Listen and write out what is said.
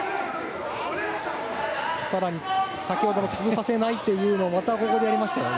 更に先ほどの潰させないというのをまたここでやりましたよね。